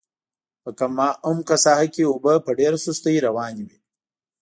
په کم عمقه ساحه کې اوبه په ډېره سستۍ روانې وې.